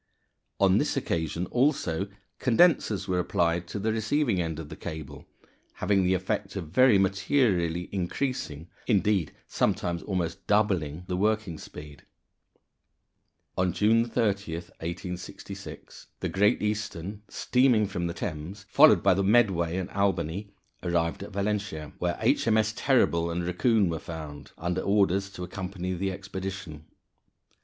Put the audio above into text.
On this occasion also condensers were applied to the receiving end of the cable, having the effect of very materially increasing indeed, sometimes almost doubling the working speed. On June 30, 1866, the Great Eastern, steaming from the Thames followed by the Medway and Albany arrived at Valentia, where H.M.S. Terrible and Racoon were found, under orders to accompany the expedition.